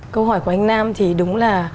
câu hỏi của anh nam thì đúng là